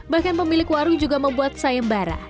bahkan pemilik warung juga membuat sayem bara